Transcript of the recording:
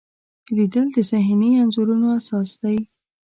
لیدل د ذهني انځورونو اساس دی